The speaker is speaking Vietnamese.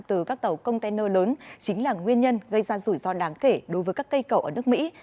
từ các tàu container lớn chính là nguyên nhân gây ra rủi ro đáng kể đối với các cây cầu ở nước mỹ